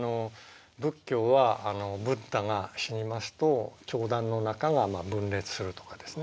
仏教はブッダが死にますと教団の中が分裂するとかですね